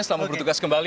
selamat bertugas kembali